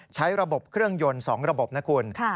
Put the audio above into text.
ใช้ระบบเครื่องยนต์๒ระบบนะคุณ